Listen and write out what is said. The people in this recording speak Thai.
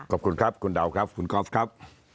ขอบคุณครับคุณดาวครับคุณกอล์ฟครับ